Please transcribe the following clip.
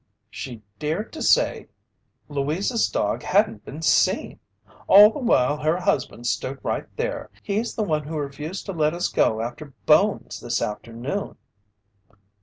"She dared to say Louise's dog hadn't been seen! All the while her husband stood right there! He's the one who refused to let us go after Bones this afternoon!"